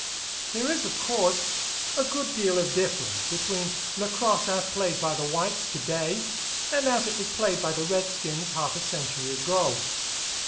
There is, of course, a good deal of difference between lacrosse as played by the whites to day and as it was played by the redskins half a century ago.